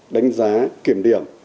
đánh giá kiểm điểm